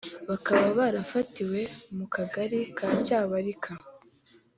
bakaba barafatiwe mu kagari ka Cyabararika